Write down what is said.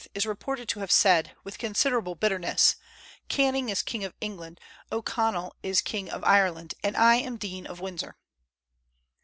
is reported to have said, with considerable bitterness, "Canning is king of England, O'Connell is king of Ireland, and I am Dean of Windsor."